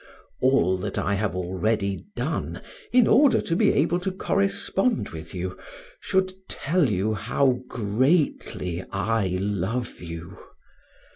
All that I have already done, in order to be able to correspond with you, should tell you how greatly I love you.